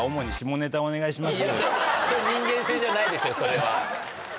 いやそれ人間性じゃないですよそれは。